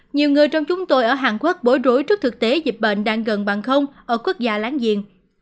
nhiều người trong chúng tôi ở hàn quốc bối bối rối trước thực tế dịch bệnh đang gần bằng không ở quốc gia láng giềng